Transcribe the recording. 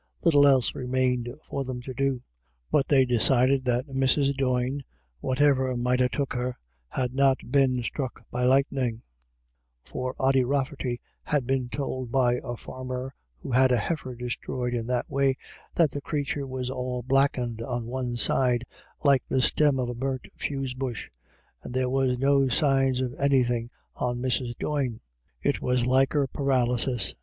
Little else remained for them to do. But they decided that Mrs. Doyne, whatever might ha' took her, had not been struck by lightning. For Ody Rafferty had been told by a farmer, who had had a heifer destroyed in that THUNDER IN THE AIR. 189 way, that the crathur was all blackened on one side like the stem of a burnt furze bush, and there were no signs of any such thing on Mrs. Doyne. It was liker parlissis.